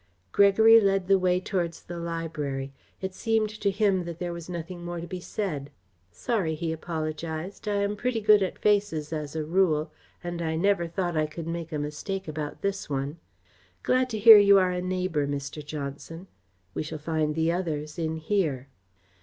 Gregory led the way towards the library. It seemed to him that there was nothing more to be said. "Sorry," he apologised. "I am pretty good at faces, as a rule, and I never thought I could make a mistake about this one. Glad to hear you are a neighbour, Mr. Johnson. We shall find the others in here."